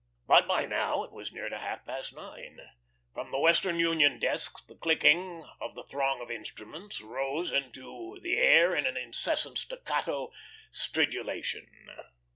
But by now it was near to half past nine. From the Western Union desks the clicking of the throng of instruments rose into the air in an incessant staccato stridulation.